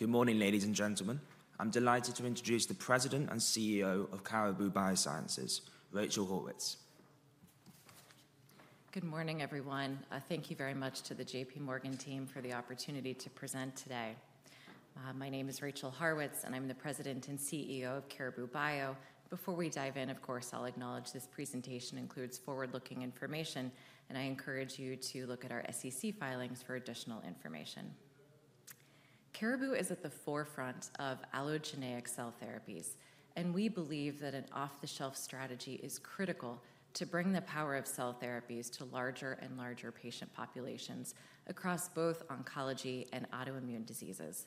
Good morning, ladies and gentlemen. I'm delighted to introduce the President and CEO of Caribou Biosciences, Rachel Haurwitz. Good morning, everyone. Thank you very much to the JP Morgan team for the opportunity to present today. My name is Rachel Haurwitz, and I'm the President and CEO of Caribou Biosciences. Before we dive in, of course, I'll acknowledge this presentation includes forward-looking information, and I encourage you to look at our SEC filings for additional information. Caribou is at the forefront of allogeneic cell therapies, and we believe that an off-the-shelf strategy is critical to bring the power of cell therapies to larger and larger patient populations across both oncology and autoimmune diseases.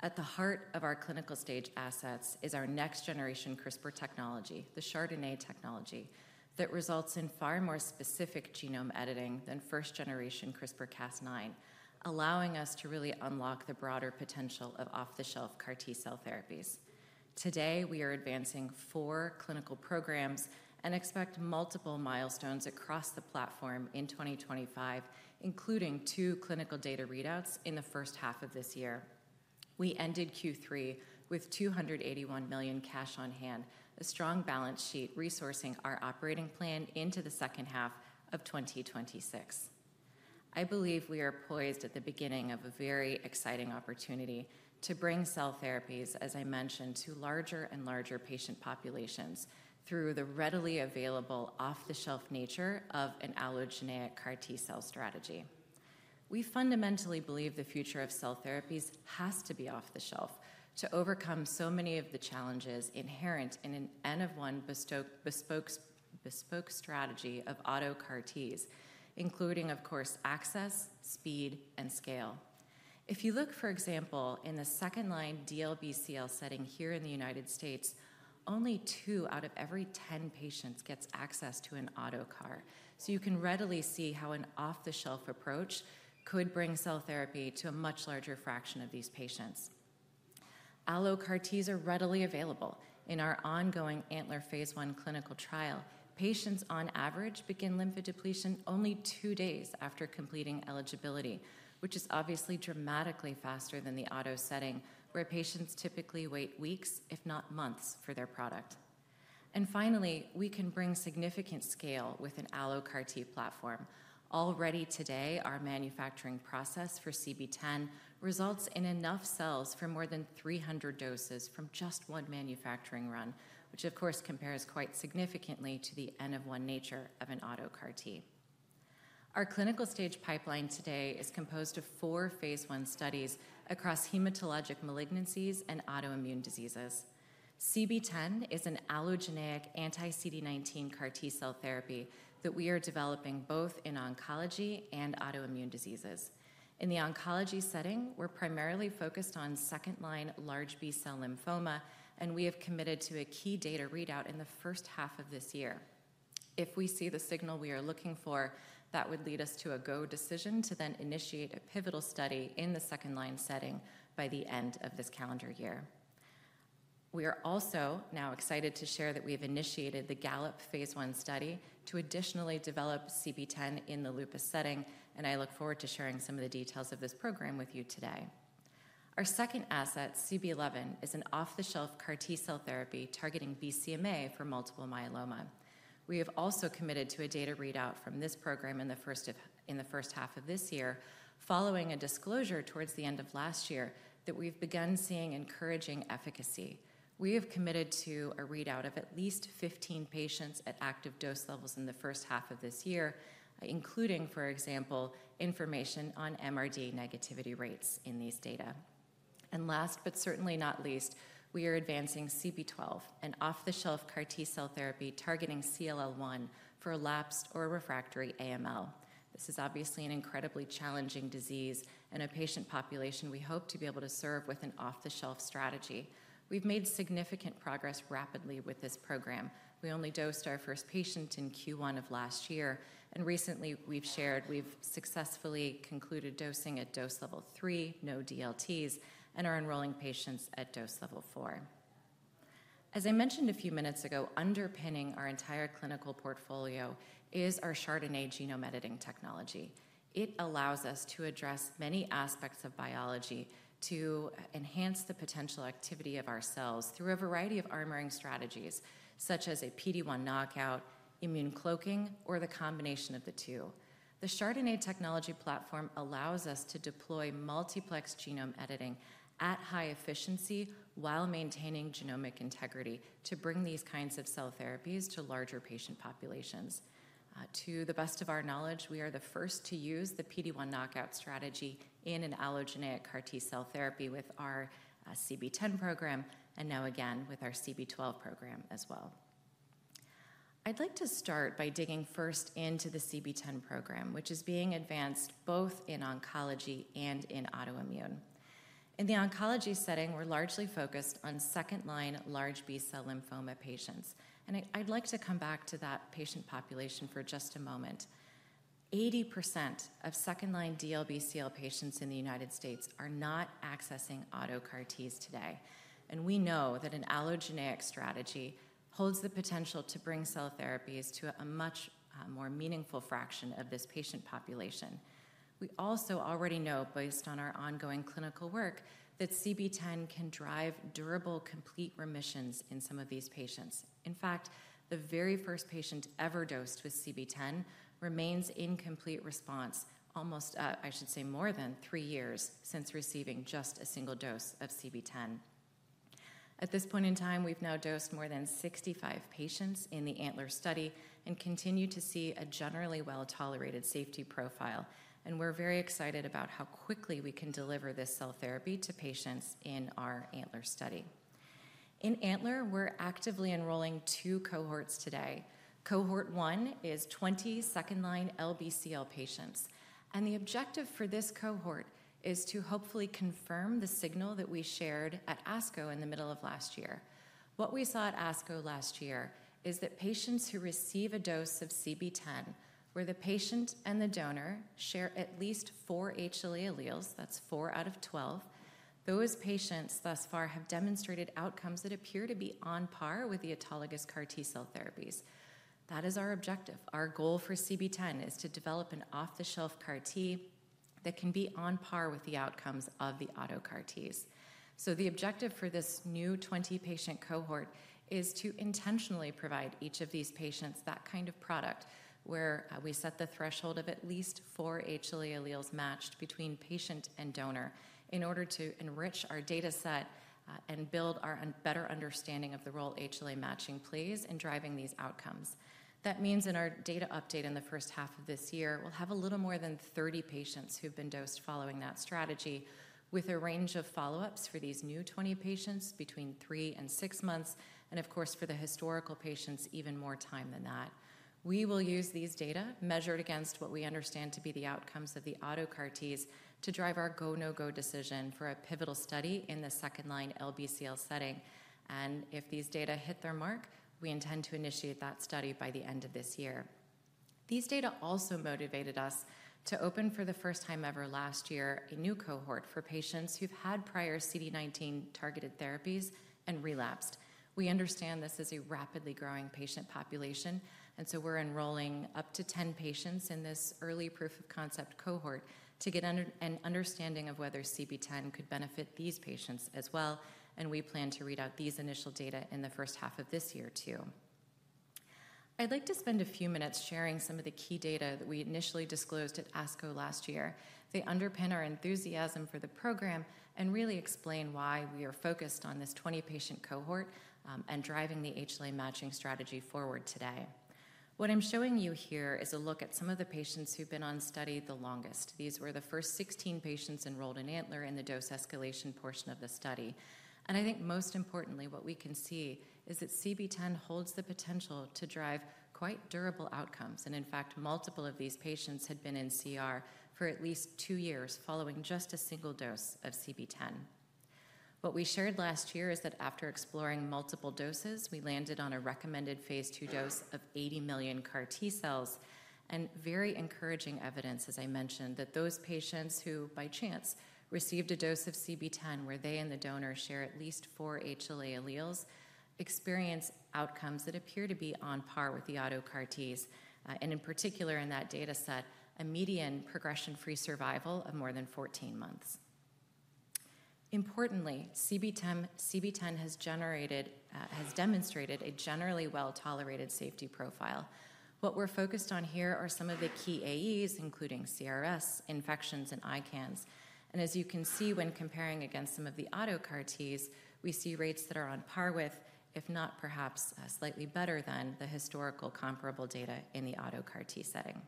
At the heart of our clinical stage assets is our next-generation CRISPR technology, the Chardonnay technology, that results in far more specific genome editing than first-generation CRISPR-Cas9, allowing us to really unlock the broader potential of off-the-shelf CAR-T cell therapies. Today, we are advancing four clinical programs and expect multiple milestones across the platform in 2025, including two clinical data readouts in the first half of this year. We ended Q3 with $281 million cash on hand, a strong balance sheet resourcing our operating plan into the second half of 2026. I believe we are poised at the beginning of a very exciting opportunity to bring cell therapies, as I mentioned, to larger and larger patient populations through the readily available off-the-shelf nature of an allogeneic CAR T-cell strategy. We fundamentally believe the future of cell therapies has to be off-the-shelf to overcome so many of the challenges inherent in an N-of-1 bespoke strategy of auto CAR Ts, including, of course, access, speed, and scale. If you look, for example, in the second-line DLBCL setting here in the United States, only two out of every ten patients gets access to an auto CAR, so you can readily see how an off-the-shelf approach could bring cell therapy to a much larger fraction of these patients. Allo CAR Ts are readily available. In our ongoing ANTLER phase I clinical trial, patients, on average, begin lymphodepletion only two days after completing eligibility, which is obviously dramatically faster than the auto setting, where patients typically wait weeks, if not months, for their product. And finally, we can bring significant scale with an allo CAR T platform. Already today, our manufacturing process for CB-010 results in enough cells for more than 300 doses from just one manufacturing run, which, of course, compares quite significantly to the N-of-1 nature of an auto CAR T. Our clinical stage pipeline today is composed of four phase I studies across hematologic malignancies and autoimmune diseases. CB-010 is an allogeneic anti-CD19 CAR T-cell therapy that we are developing both in oncology and autoimmune diseases. In the oncology setting, we're primarily focused on second-line large B-cell lymphoma, and we have committed to a key data readout in the first half of this year. If we see the signal we are looking for, that would lead us to a go decision to then initiate a pivotal study in the second-line setting by the end of this calendar year. We are also now excited to share that we have initiated the GALLOP phase I study to additionally develop CB-010 in the lupus setting, and I look forward to sharing some of the details of this program with you today. Our second asset, CB-011, is an off-the-shelf CAR T-cell therapy targeting BCMA for multiple myeloma. We have also committed to a data readout from this program in the first half of this year, following a disclosure towards the end of last year that we've begun seeing encouraging efficacy. We have committed to a readout of at least 15 patients at active dose levels in the first half of this year, including, for example, information on MRD negativity rates in these data, and last but certainly not least, we are advancing CB-012, an off-the-shelf CAR T-cell therapy targeting CLL-1 for relapsed or refractory AML. This is obviously an incredibly challenging disease and a patient population we hope to be able to serve with an off-the-shelf strategy. We've made significant progress rapidly with this program. We only dosed our first patient in Q1 of last year, and recently we've shared we've successfully concluded dosing at dose level three, no DLTs, and are enrolling patients at dose level four. As I mentioned a few minutes ago, underpinning our entire clinical portfolio is our Chardonnay genome editing technology. It allows us to address many aspects of biology to enhance the potential activity of our cells through a variety of armoring strategies, such as a PD-1 knockout, immune cloaking, or the combination of the two. The Chardonnay technology platform allows us to deploy multiplex genome editing at high efficiency while maintaining genomic integrity to bring these kinds of cell therapies to larger patient populations. To the best of our knowledge, we are the first to use the PD-1 knockout strategy in an allogeneic CAR T-cell therapy with our CB10 program, and now again with our CB12 program as well. I'd like to start by digging first into the CB10 program, which is being advanced both in oncology and in autoimmune. In the oncology setting, we're largely focused on second-line large B-cell lymphoma patients, and I'd like to come back to that patient population for just a moment. 80% of second-line DLBCL patients in the United States are not accessing auto CAR Ts today, and we know that an allogeneic strategy holds the potential to bring cell therapies to a much more meaningful fraction of this patient population. We also already know, based on our ongoing clinical work, that CB10 can drive durable complete remissions in some of these patients. In fact, the very first patient ever dosed with CB-010 remains in complete response almost, I should say, more than three years since receiving just a single dose of CB-010. At this point in time, we've now dosed more than 65 patients in the ANTLER study and continue to see a generally well-tolerated safety profile, and we're very excited about how quickly we can deliver this cell therapy to patients in our ANTLER study. In ANTLER, we're actively enrolling two cohorts today. Cohort one is 20 second-line LBCL patients, and the objective for this cohort is to hopefully confirm the signal that we shared at ASCO in the middle of last year. What we saw at ASCO last year is that patients who receive a dose of CB-010, where the patient and the donor share at least four HLA alleles, that's four out of 12, those patients thus far have demonstrated outcomes that appear to be on par with the autologous CAR T-cell therapies. That is our objective. Our goal for CB-010 is to develop an off-the-shelf CAR T that can be on par with the outcomes of the auto CAR Ts. So the objective for this new 20-patient cohort is to intentionally provide each of these patients that kind of product where we set the threshold of at least four HLA alleles matched between patient and donor in order to enrich our dataset and build our better understanding of the role HLA matching plays in driving these outcomes. That means in our data update in the first half of this year, we'll have a little more than 30 patients who've been dosed following that strategy, with a range of follow-ups for these new 20 patients between three and six months, and of course, for the historical patients, even more time than that. We will use these data measured against what we understand to be the outcomes of the auto CAR Ts to drive our go/no-go decision for a pivotal study in the second-line LBCL setting, and if these data hit their mark, we intend to initiate that study by the end of this year. These data also motivated us to open, for the first time ever last year, a new cohort for patients who've had prior CD19-targeted therapies and relapsed. We understand this is a rapidly growing patient population, and so we're enrolling up to 10 patients in this early proof-of-concept cohort to get an understanding of whether CB-010 could benefit these patients as well, and we plan to read out these initial data in the first half of this year too. I'd like to spend a few minutes sharing some of the key data that we initially disclosed at ASCO last year. They underpin our enthusiasm for the program and really explain why we are focused on this 20-patient cohort and driving the HLA matching strategy forward today. What I'm showing you here is a look at some of the patients who've been on study the longest. These were the first 16 patients enrolled in ANTLER in the dose escalation portion of the study, and I think most importantly, what we can see is that CB-010 holds the potential to drive quite durable outcomes, and in fact, multiple of these patients had been in CR for at least two years following just a single dose of CB-010. What we shared last year is that after exploring multiple doses, we landed on a recommended phase 2 dose of 80 million CAR T cells, and very encouraging evidence, as I mentioned, that those patients who, by chance, received a dose of CB-010 where they and the donor share at least four HLA alleles experience outcomes that appear to be on par with the auto CAR Ts, and in particular, in that dataset, a median progression-free survival of more than 14 months. Importantly, CB10 has demonstrated a generally well-tolerated safety profile. What we're focused on here are some of the key AEs, including CRS, infections, and ICANS, and as you can see when comparing against some of the auto CAR Ts, we see rates that are on par with, if not perhaps slightly better than the historical comparable data in the auto CAR T setting.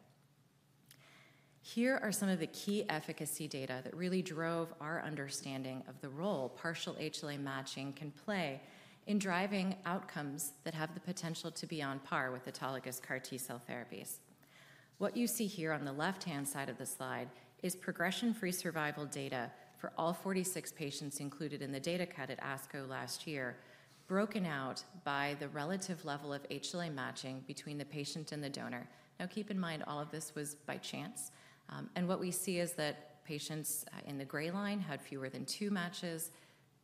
Here are some of the key efficacy data that really drove our understanding of the role partial HLA matching can play in driving outcomes that have the potential to be on par with autologous CAR T-cell therapies. What you see here on the left-hand side of the slide is progression-free survival data for all 46 patients included in the data cut at ASCO last year, broken out by the relative level of HLA matching between the patient and the donor. Now, keep in mind, all of this was by chance, and what we see is that patients in the gray line had fewer than two matches,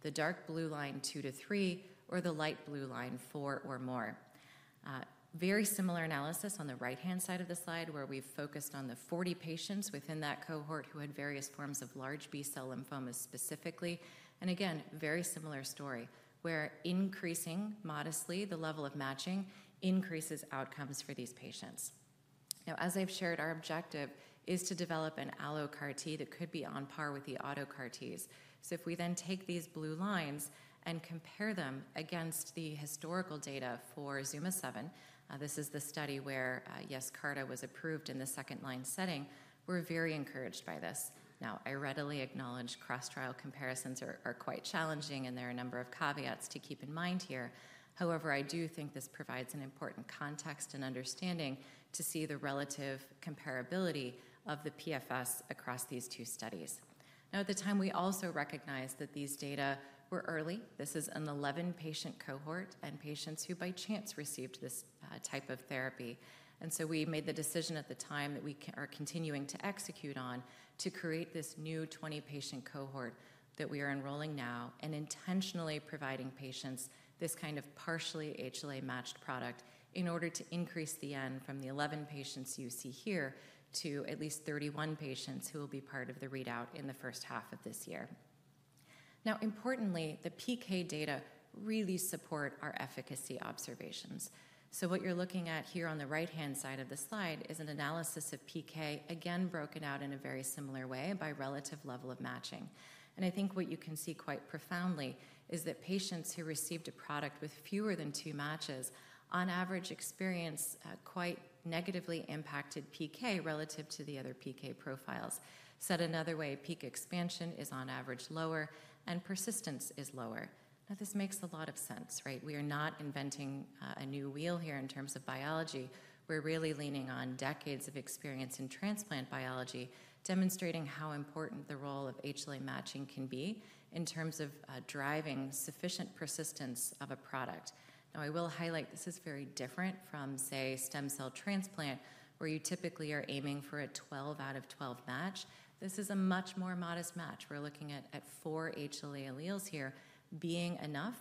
the dark blue line two to three, or the light blue line four or more. Very similar analysis on the right-hand side of the slide where we've focused on the 40 patients within that cohort who had various forms of large B-cell lymphoma specifically, and again, very similar story where increasing modestly the level of matching increases outcomes for these patients. Now, as I've shared, our objective is to develop an allo CAR T that could be on par with the auto CAR Ts, so if we then take these blue lines and compare them against the historical data for ZUMA-7, this is the study where, yes, Yescarta was approved in the second-line setting, we're very encouraged by this. Now, I readily acknowledge cross-trial comparisons are quite challenging, and there are a number of caveats to keep in mind here. However, I do think this provides an important context and understanding to see the relative comparability of the PFS across these two studies. Now, at the time, we also recognized that these data were early. This is an 11-patient cohort and patients who, by chance, received this type of therapy, and so we made the decision at the time that we are continuing to execute on to create this new 20-patient cohort that we are enrolling now and intentionally providing patients this kind of partially HLA-matched product in order to increase the n from the 11 patients you see here to at least 31 patients who will be part of the readout in the first half of this year. Now, importantly, the PK data really support our efficacy observations, so what you're looking at here on the right-hand side of the slide is an analysis of PK, again broken out in a very similar way by relative level of matching, and I think what you can see quite profoundly is that patients who received a product with fewer than two matches on average experience quite negatively impacted PK relative to the other PK profiles. Said another way, peak expansion is on average lower and persistence is lower. Now, this makes a lot of sense, right? We are not inventing a new wheel here in terms of biology. We're really leaning on decades of experience in transplant biology demonstrating how important the role of HLA matching can be in terms of driving sufficient persistence of a product. Now, I will highlight this is very different from, say, stem cell transplant where you typically are aiming for a 12 out of 12 match. This is a much more modest match. We're looking at four HLA alleles here being enough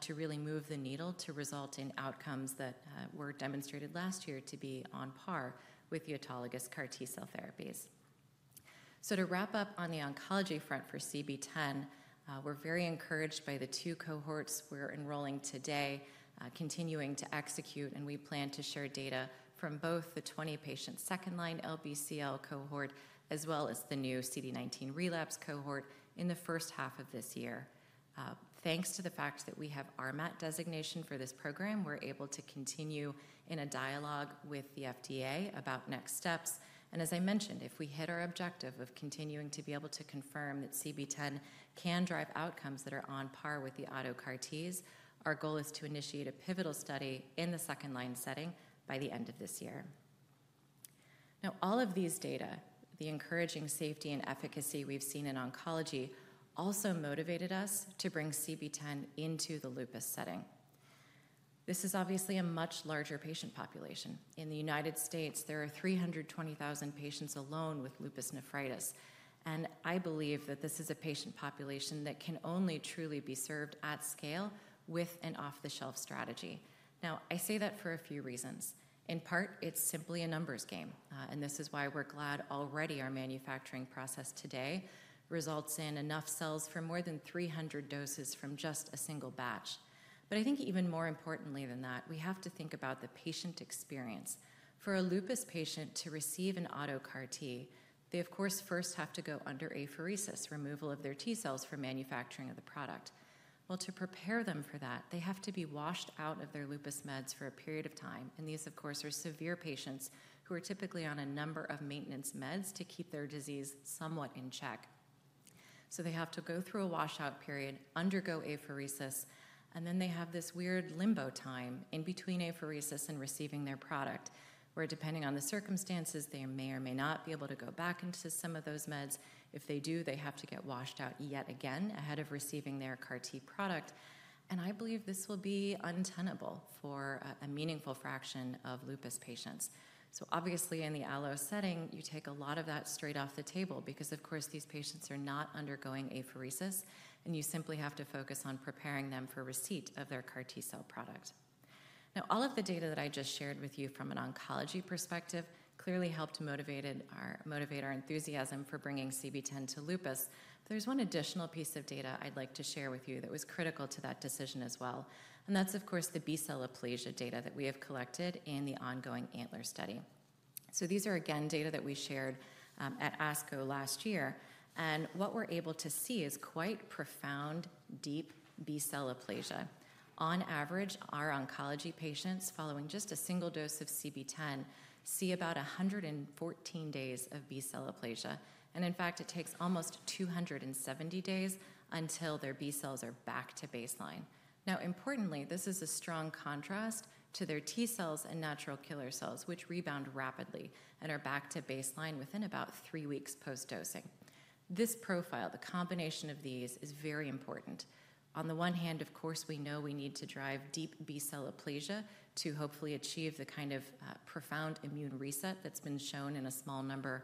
to really move the needle to result in outcomes that were demonstrated last year to be on par with the autologous CAR T-cell therapies. So to wrap up on the oncology front for CB-010, we're very encouraged by the two cohorts we're enrolling today, continuing to execute, and we plan to share data from both the 20-patient second-line LBCL cohort as well as the new CD19 relapse cohort in the first half of this year. Thanks to the fact that we have RMAT designation for this program, we're able to continue in a dialogue with the FDA about next steps, and as I mentioned, if we hit our objective of continuing to be able to confirm that CB-010 can drive outcomes that are on par with the auto CAR Ts, our goal is to initiate a pivotal study in the second-line setting by the end of this year. Now, all of these data, the encouraging safety and efficacy we've seen in oncology, also motivated us to bring CB-010 into the lupus setting. This is obviously a much larger patient population. In the United States, there are 320,000 patients alone with lupus nephritis, and I believe that this is a patient population that can only truly be served at scale with an off-the-shelf strategy. Now, I say that for a few reasons. In part, it's simply a numbers game, and this is why we're glad already our manufacturing process today results in enough cells for more than 300 doses from just a single batch, but I think even more importantly than that, we have to think about the patient experience. For a lupus patient to receive an auto CAR T, they, of course, first have to undergo apheresis, removal of their T-cells for manufacturing of the product. To prepare them for that, they have to be washed out of their lupus meds for a period of time, and these, of course, are severe patients who are typically on a number of maintenance meds to keep their disease somewhat in check. So they have to go through a washout period, undergo apheresis, and then they have this weird limbo time in between apheresis and receiving their product where, depending on the circumstances, they may or may not be able to go back into some of those meds. If they do, they have to get washed out yet again ahead of receiving their CAR T product, and I believe this will be untenable for a meaningful fraction of lupus patients, so obviously, in the allo setting, you take a lot of that straight off the table because, of course, these patients are not undergoing apheresis, and you simply have to focus on preparing them for receipt of their CAR T cell product. Now, all of the data that I just shared with you from an oncology perspective clearly helped motivate our enthusiasm for bringing CB-010 to lupus, but there's one additional piece of data I'd like to share with you that was critical to that decision as well, and that's, of course, the B-cell aplasia data that we have collected in the ongoing ANTLER study. So these are, again, data that we shared at ASCO last year, and what we're able to see is quite profound, deep B-cell aplasia. On average, our oncology patients following just a single dose of CB-010 see about 114 days of B-cell aplasia, and in fact, it takes almost 270 days until their B-cells are back to baseline. Now, importantly, this is a strong contrast to their T-cells and natural killer cells, which rebound rapidly and are back to baseline within about three weeks post-dosing. This profile, the combination of these, is very important. On the one hand, of course, we know we need to drive deep B-cell aplasia to hopefully achieve the kind of profound immune reset that's been shown in a small number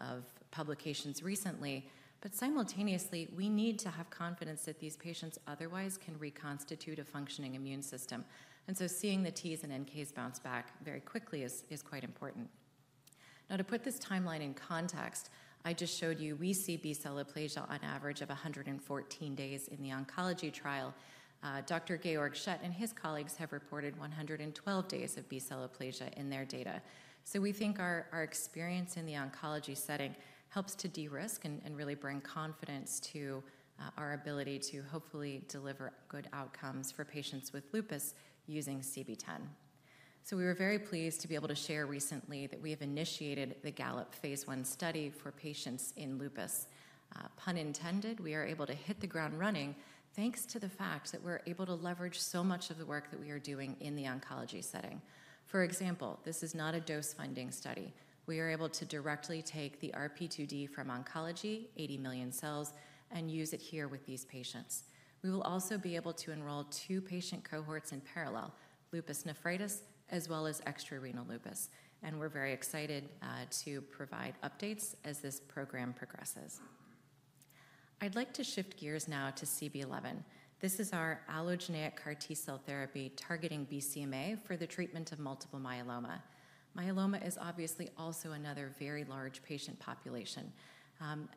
of publications recently, but simultaneously, we need to have confidence that these patients otherwise can reconstitute a functioning immune system, and so seeing the Ts and NKs bounce back very quickly is quite important. Now, to put this timeline in context, I just showed you we see B-cell aplasia on average of 114 days in the oncology trial. Dr. Georg Schett and his colleagues have reported 112 days of B-cell aplasia in their data, so we think our experience in the oncology setting helps to de-risk and really bring confidence to our ability to hopefully deliver good outcomes for patients with lupus using CB-010. So we were very pleased to be able to share recently that we have initiated the GALLOP phase 1 study for patients in lupus. Pun intended, we are able to hit the ground running thanks to the fact that we're able to leverage so much of the work that we are doing in the oncology setting. For example, this is not a dose-finding study. We are able to directly take the RP2D from oncology, 80 million cells, and use it here with these patients. We will also be able to enroll two patient cohorts in parallel, lupus nephritis as well as extrarenal lupus, and we're very excited to provide updates as this program progresses. I'd like to shift gears now to CB-011. This is our allogeneic CAR T cell therapy targeting BCMA for the treatment of multiple myeloma. Myeloma is obviously also another very large patient population,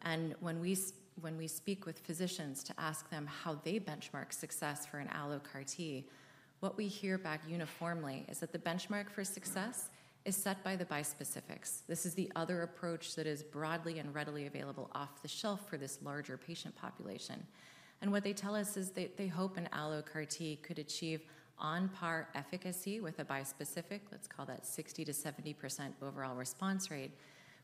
and when we speak with physicians to ask them how they benchmark success for an allo CAR T, what we hear back uniformly is that the benchmark for success is set by the bispecifics. This is the other approach that is broadly and readily available off the shelf for this larger patient population, and what they tell us is that they hope an allo CAR T could achieve on par efficacy with a bispecific, let's call that 60%-70% overall response rate,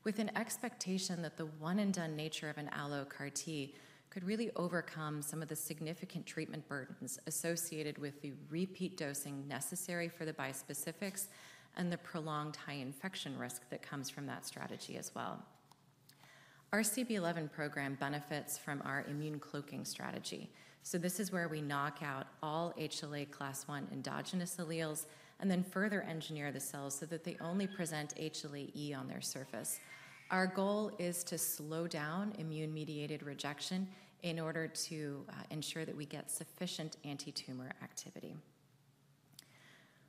with an expectation that the one-and-done nature of an allo CAR T could really overcome some of the significant treatment burdens associated with the repeat dosing necessary for the bispecifics and the prolonged high infection risk that comes from that strategy as well. Our CB-011 program benefits from our immune cloaking strategy, so this is where we knock out all HLA class I endogenous alleles and then further engineer the cells so that they only present HLA E on their surface. Our goal is to slow down immune-mediated rejection in order to ensure that we get sufficient anti-tumor activity.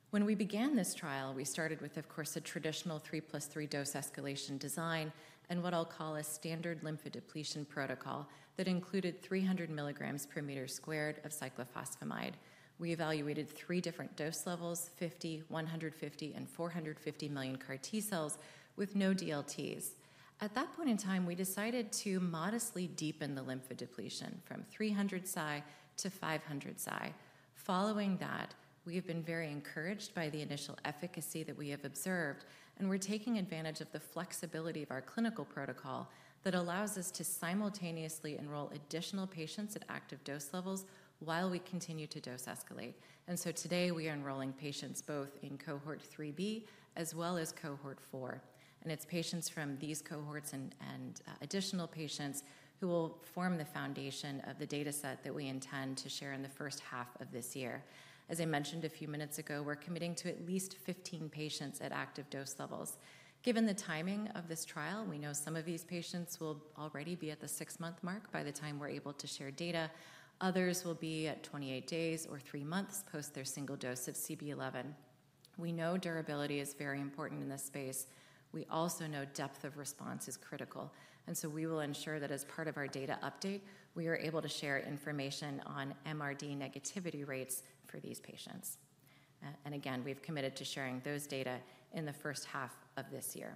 When we began this trial, we started with, of course, a traditional 3 plus 3 dose escalation design and what I'll call a standard lymphodepletion protocol that included 300 milligrams per meter squared of cyclophosphamide. We evaluated three different dose levels, 50, 150, and 450 million CAR T cells with no DLTs. At that point in time, we decided to modestly deepen the lymphodepletion from 300 mg/m² to 500 mg/m². Following that, we have been very encouraged by the initial efficacy that we have observed, and we're taking advantage of the flexibility of our clinical protocol that allows us to simultaneously enroll additional patients at active dose levels while we continue to dose escalate, and so today, we are enrolling patients both in cohort 3B as well as cohort 4, and it's patients from these cohorts and additional patients who will form the foundation of the dataset that we intend to share in the first half of this year. As I mentioned a few minutes ago, we're committing to at least 15 patients at active dose levels. Given the timing of this trial, we know some of these patients will already be at the six-month mark by the time we're able to share data. Others will be at 28 days or three months post their single dose of CB-011. We know durability is very important in this space. We also know depth of response is critical, and so we will ensure that as part of our data update, we are able to share information on MRD negativity rates for these patients. And again, we've committed to sharing those data in the first half of this year, and again, we've committed to sharing those data in the first half of this year.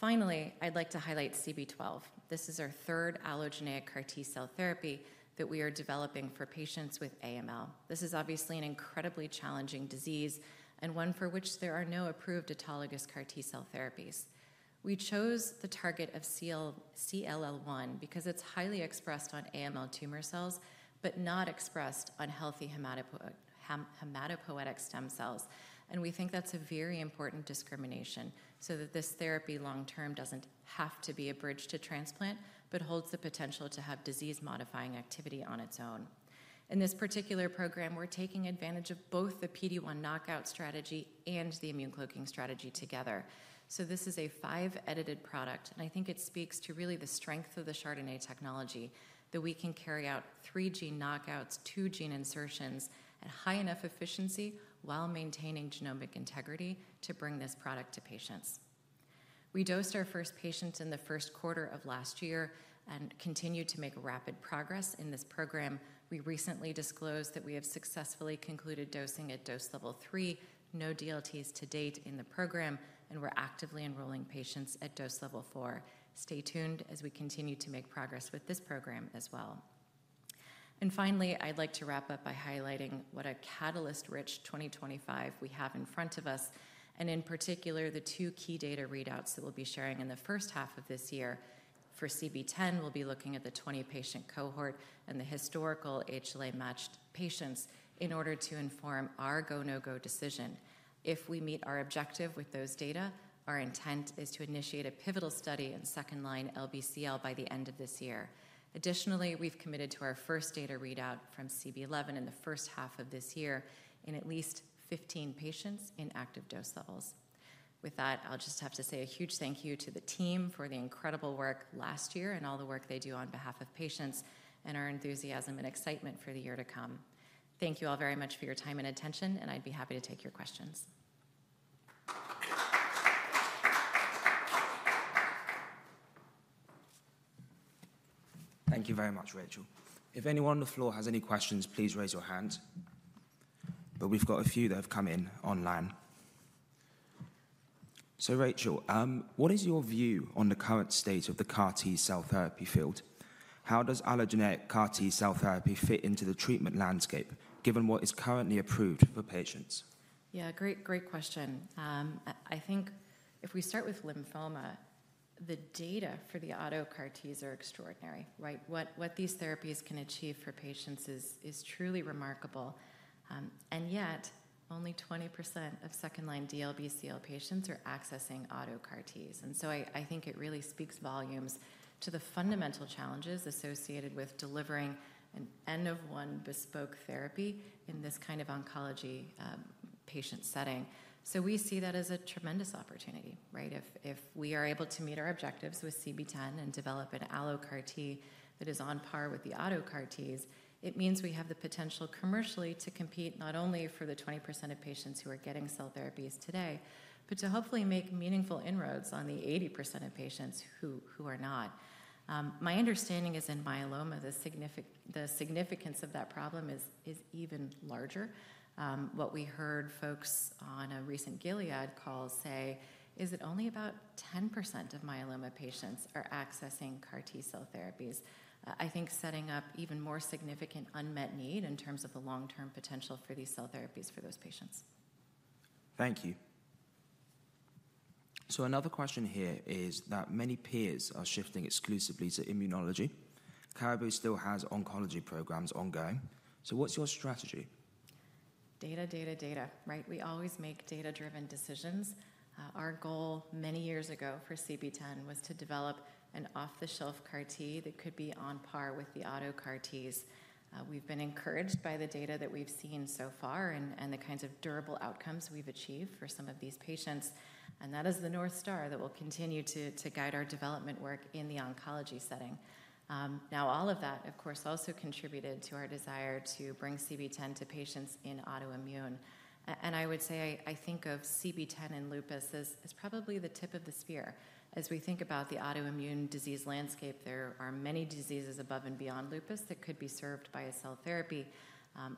Finally, I'd like to highlight CB-012. This is our third allogeneic CAR T cell therapy that we are developing for patients with AML. This is obviously an incredibly challenging disease and one for which there are no approved autologous CAR T cell therapies. We chose the target of CLL-1 because it's highly expressed on AML tumor cells but not expressed on healthy hematopoietic stem cells, and we think that's a very important discrimination so that this therapy long-term doesn't have to be a bridge to transplant but holds the potential to have disease-modifying activity on its own. In this particular program, we're taking advantage of both the PD-1 knockout strategy and the immune cloaking strategy together, so this is a five-edited product, and I think it speaks to really the strength of the chRDNA technology that we can carry out three gene knockouts, two gene insertions at high enough efficiency while maintaining genomic integrity to bring this product to patients. We dosed our first patients in the first quarter of last year and continue to make rapid progress in this program. We recently disclosed that we have successfully concluded dosing at dose level three, no DLTs to date in the program, and we're actively enrolling patients at dose level four. Stay tuned as we continue to make progress with this program as well. Finally, I'd like to wrap up by highlighting what a catalyst-rich 2025 we have in front of us, and in particular, the two key data readouts that we'll be sharing in the first half of this year. For CB-010, we'll be looking at the 20-patient cohort and the historical HLA-matched patients in order to inform our go-no-go decision. If we meet our objective with those data, our intent is to initiate a pivotal study in second-line LBCL by the end of this year. Additionally, we've committed to our first data readout from CB-011 in the first half of this year in at least 15 patients in active dose levels. With that, I'll just have to say a huge thank you to the team for the incredible work last year and all the work they do on behalf of patients and our enthusiasm and excitement for the year to come. Thank you all very much for your time and attention, and I'd be happy to take your questions. Thank you very much, Rachel. If anyone on the floor has any questions, please raise your hand, but we've got a few that have come in online. So, Rachel, what is your view on the current state of the CAR T cell therapy field? How does allogeneic CAR T cell therapy fit into the treatment landscape given what is currently approved for patients? Yeah, great, great question. I think if we start with lymphoma, the data for the auto CAR Ts are extraordinary, right? What these therapies can achieve for patients is truly remarkable, and yet only 20% of second-line DLBCL patients are accessing auto CAR Ts, and so I think it really speaks volumes to the fundamental challenges associated with delivering an end-of-one bespoke therapy in this kind of oncology patient setting. So we see that as a tremendous opportunity, right? If we are able to meet our objectives with CB-010 and develop an allo CAR T that is on par with the auto CAR Ts, it means we have the potential commercially to compete not only for the 20% of patients who are getting cell therapies today, but to hopefully make meaningful inroads on the 80% of patients who are not. My understanding is in myeloma, the significance of that problem is even larger. What we heard folks on a recent Gilead call say is that only about 10% of myeloma patients are accessing CAR T cell therapies. I think setting up even more significant unmet need in terms of the long-term potential for these cell therapies for those patients. Thank you. So another question here is that many peers are shifting exclusively to immunology. Caribou still has oncology programs ongoing, so what's your strategy? Data, data, data, right? We always make data-driven decisions. Our goal many years ago for CB-010 was to develop an off-the-shelf CAR T that could be on par with the auto CAR Ts. We've been encouraged by the data that we've seen so far and the kinds of durable outcomes we've achieved for some of these patients, and that is the North Star that will continue to guide our development work in the oncology setting. Now, all of that, of course, also contributed to our desire to bring CB-010 to patients in autoimmune, and I would say I think of CB-010 and lupus as probably the tip of the spear. As we think about the autoimmune disease landscape, there are many diseases above and beyond lupus that could be served by a cell therapy,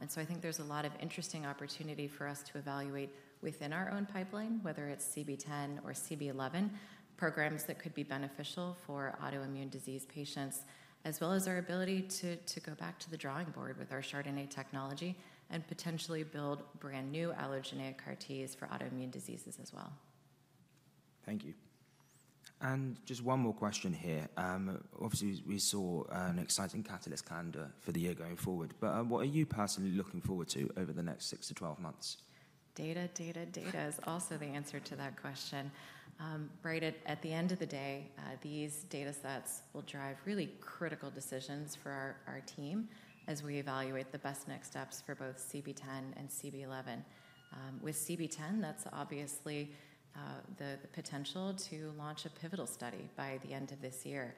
and so I think there's a lot of interesting opportunity for us to evaluate within our own pipeline, whether it's CB10 or CB11, programs that could be beneficial for autoimmune disease patients, as well as our ability to go back to the drawing board with our chRDNA technology and potentially build brand new allogeneic CAR Ts for autoimmune diseases as well. Thank you. And just one more question here. Obviously, we saw an exciting catalyst calendar for the year going forward, but what are you personally looking forward to over the next six to 12 months? Data, data, data is also the answer to that question. Right at the end of the day, these datasets will drive really critical decisions for our team as we evaluate the best next steps for both CB10 and CB11. With CB10, that's obviously the potential to launch a pivotal study by the end of this year,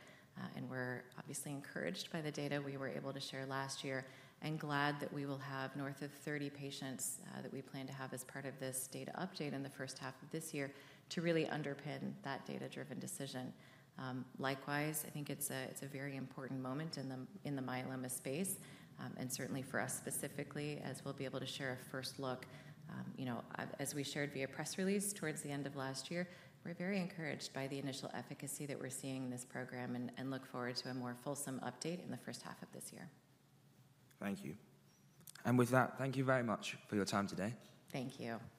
and we're obviously encouraged by the data we were able to share last year and glad that we will have north of 30 patients that we plan to have as part of this data update in the first half of this year to really underpin that data-driven decision. Likewise, I think it's a very important moment in the myeloma space, and certainly for us specifically, as we'll be able to share a first look, you know, as we shared via press release towards the end of last year. We're very encouraged by the initial efficacy that we're seeing in this program and look forward to a more fulsome update in the first half of this year. Thank you. And with that, thank you very much for your time today. Thank you.